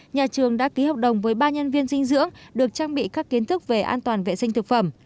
nhà trường đã ký hợp đồng với ba nhân viên dinh dưỡng được trang bị các kiến thức về an toàn vệ sinh thực phẩm